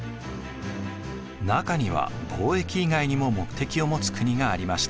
中には貿易以外にも目的を持つ国がありました。